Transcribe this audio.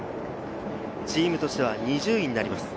チームとしては２０位になります。